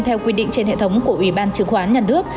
theo quy định trên hệ thống của ủy ban chứng khoán nhà nước